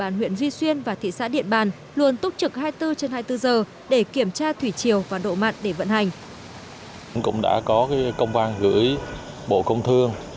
nhiều giáp nhờ để kiểm tra thủy chiều và độ mặn để vận hành